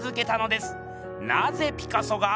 なぜピカソが。